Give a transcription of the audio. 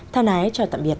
tha nái chào tạm biệt